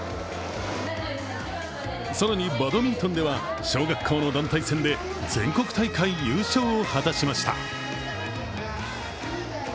更に、バドミントンでは小学校の団体戦で全国大会優勝を果たしました。